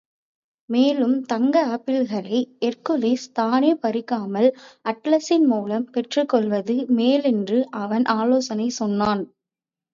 மேலும், தங்க ஆப்பிள்களை ஹெர்க்குலிஸ் தானே பறிக்காமல், அட்லஸின் மூலம் பெற்றுக்கொள்வது மேலென்றும் அவன் ஆலோசனை சொன்னான்.